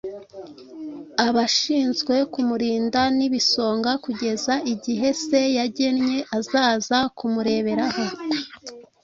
abashinzwe kumurinda n ibisonga kugeza igihe se yagennye azaza kumureberaho